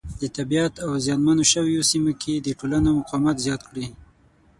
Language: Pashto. د طبیعیت او په زیان منو شویو سیمو کې د ټولنو مقاومت زیات کړي.